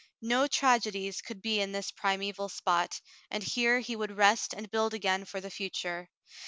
No tragedies could be in this primeval spot, and here he would rest and build again for the future.